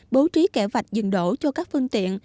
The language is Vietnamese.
bố trí kẻ vạch dừng đổ cho các phương tiện